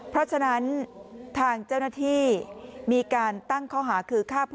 เพราะฉะนั้นทางเจ้าหน้าที่มีการตั้งข้อหาคือฆ่าผู้